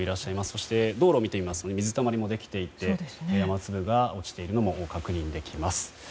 そして、道路を見ますと水たまりができていて雨粒が落ちているのも確認できます。